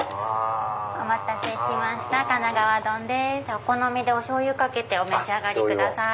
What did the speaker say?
お好みでおしょうゆかけてお召し上がりください。